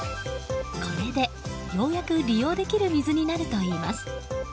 これでようやく利用できる水になるといいます。